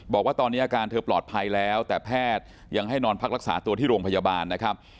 บอกว่าตอนนี้อาการเธอปลอดภัยแล้วแต่แพทย์ยังให้นอนพักรักษาตัวที่โรงพยาบาลนะครับ